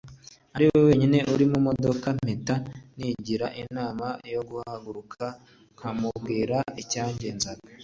ariwe wenyine uri mumodoka mpita nigira inama yo guhaguruka nkamubwira icyangenzaga